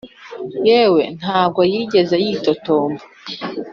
yewe ntabwo yigeze yitotomba